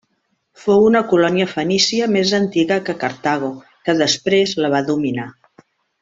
Fou una colònia fenícia més antiga que Cartago, que després la va dominar.